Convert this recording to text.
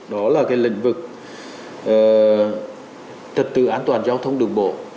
đó là cái lĩnh vực trật tự an toàn giao thông đường bộ